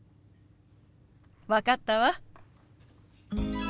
分かったわ。